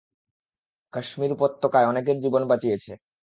কাশ্মীর উপত্যকায় অনেকের জীবন বাঁচিয়েছে।